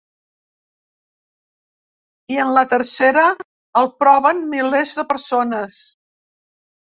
I en la tercera, el proven milers de persones.